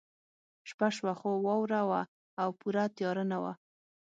شپه شوه خو واوره وه او پوره تیاره نه وه